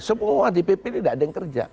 semua dpp ini gak ada yang kerja